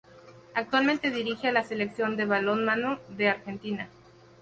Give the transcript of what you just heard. Actualmente dirige a la Selección de balonmano de Argentina.